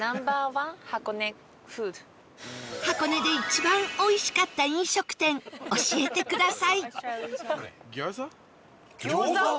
箱根で一番おいしかった飲食店教えてください